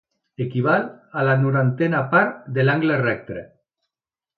Equival a la norantena part de l'angle recte.